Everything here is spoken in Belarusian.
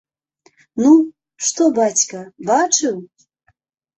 Ну, што бацька, бачыў?